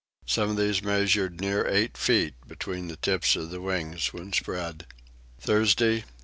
Some of these measured near eight feet between the tips of the wings when spread. Thursday 9.